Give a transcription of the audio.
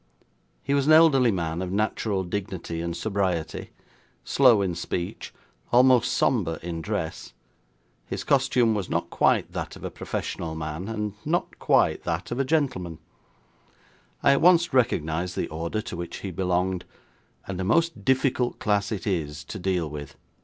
He was an elderly man of natural dignity and sobriety, slow in speech, almost sombre in dress. His costume was not quite that of a professional man, and not quite that of a gentleman. I at once recognised the order to which he belonged, and a most difficult class it is to deal with.